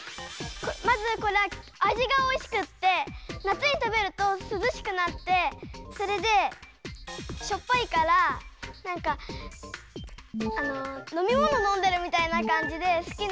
まずこれはあじがおいしくってなつにたべるとすずしくなってそれでしょっぱいからなんかのみもののんでるみたいなかんじですきなの。